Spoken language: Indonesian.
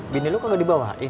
bini lu kagak dibawain